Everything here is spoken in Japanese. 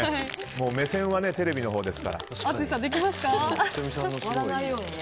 目線はテレビのほうですからね。